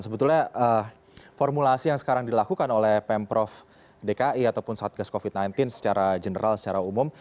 sebetulnya formulasi yang sekarang dilakukan oleh pemprov dki ataupun satgas covid sembilan belas secara general secara umum